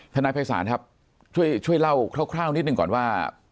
นายภัยศาลครับช่วยเล่าคร่าวนิดหนึ่งก่อนว่า